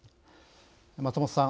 松本さん